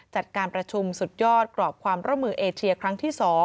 จัดการประชุมสุดยอดกรอบความร่วมมือเอเชียครั้งที่๒